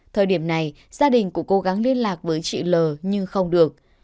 thời điểm này gia đình của cố gắng liên lạc với chị l nhưng không được